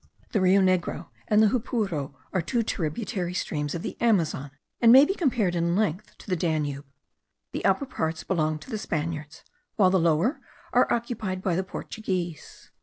The Rio Negro and the Jupuro are two tributary streams of the Amazon, and may be compared in length to the Danube. The upper parts belong to the Spaniards, while the lower are occupied by the Portuguese.